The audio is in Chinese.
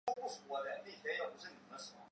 弯曲喇叭口螺为虹蛹螺科喇叭螺属的动物。